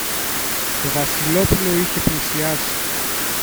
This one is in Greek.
Το Βασιλόπουλο είχε πλησιάσει